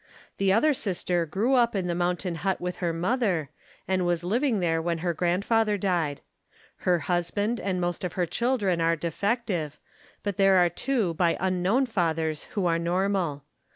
The other sister grew up in the mountain hut with her mother, and was living there when her grandfather died. Her husband and 86 THE KALLIKAK FAMILY most of her children are defective, but there are two by unknown fathers who are normal.